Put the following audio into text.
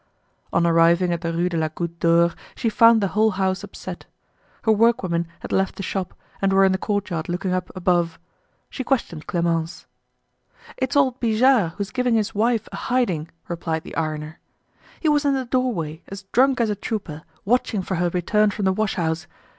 On arriving at the Rue de la Goutte d'Or, she found the whole house upset. Her workwomen had left the shop, and were in the courtyard looking up above. She questioned Clemence. "It's old Bijard who's giving his wife a hiding," replied the ironer. "He was in the doorway, as drunk as a trooper, watching for her return from the wash house.